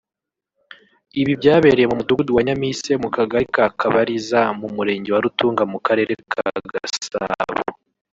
Ibi byabereye mu mudugudu wa Nyamise mu kagali ka Kabaliza mu murenge wa Rutunga mu karere ka Gasabo